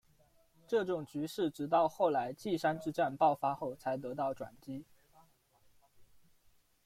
这种局势直到后来稷山之战爆发后才得到转机。